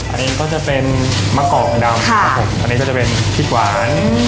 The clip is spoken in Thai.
อันนี้ก็จะเป็นมะกอกดำครับผมอันนี้ก็จะเป็นพริกหวาน